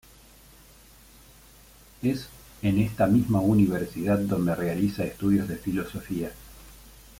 Es en esta misma Universidad, donde realiza estudios de Filosofía.